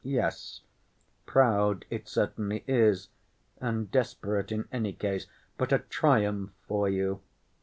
Yes, proud it certainly is, and desperate in any case, but a triumph for you.